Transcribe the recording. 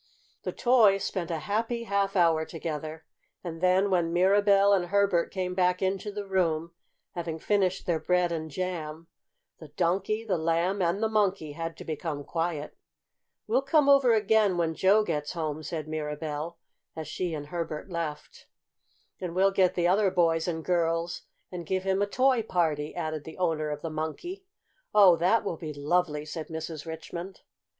The toys spent a happy half hour together, and then when Mirabell and Herbert came back into the room, having finished their bread and jam, the Donkey, the Lamb, and the Monkey had to become quiet. "We'll come over again, when Joe gets home," said Mirabell, as she and Herbert left. "And we'll get the other boys and girls and give him a toy party," added the owner of the Monkey. "Oh, that will be lovely!" said Mrs. Richmond.